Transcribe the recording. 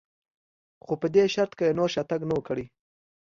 خو په دې شرط که یې نور شاتګ نه و کړی.